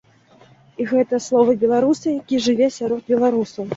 І гэта словы беларуса, які жыве сярод беларусаў.